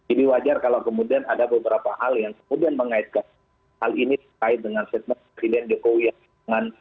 ini wajar kalau kemudian ada beberapa hal yang kemudian mengaitkan hal ini terkait dengan statement presiden jokowi yang